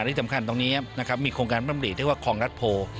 และที่จำกัดตรงนี้มีโครงการปรับบริษฐ์ชื่อว่าคองรัฐโภ